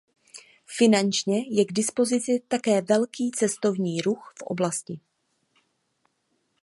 Finančně je k dispozici také velký cestovní ruch v oblasti.